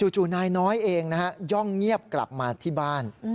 จู่นายน้อยเองนะฮะย่องเงียบกลับมาที่บ้าน